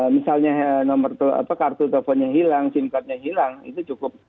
misalnya kartu teleponnya hilang sim cardnya hilang itu cukup